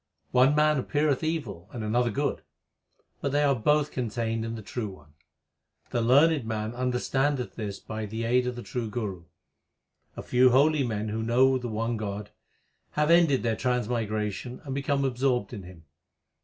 One man appeareth evil and another good ; but they are both contained in the True One : The learned man understandeth this by the aid of the true Guru. A few holy men who know the one God, Have ended their transmigration, and become absorbed in Him.